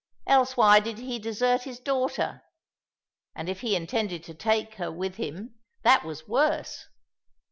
Else why did he desert his daughter? And if he intended to take her with him, that was worse."